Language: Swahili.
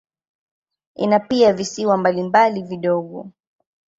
Ina pia visiwa mbalimbali vidogo.